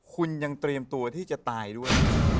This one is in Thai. คุณยังเตรียมตัวที่จะตายด้วย